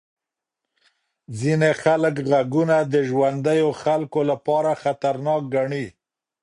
ځینې خلک غږونه د ژوندیو خلکو لپاره خطرناک ګڼي.